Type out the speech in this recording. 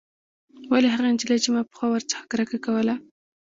ولې هغه نجلۍ چې ما پخوا ورڅخه کرکه کوله.